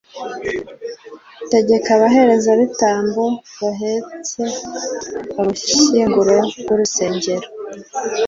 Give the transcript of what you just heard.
tegeka abaherezabitambo bahetse ubushyinguro bw'isezerano